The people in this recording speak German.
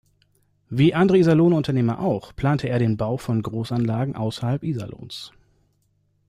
Wie andere Iserlohner Unternehmer auch plante er den Bau von Großanlagen außerhalb Iserlohns.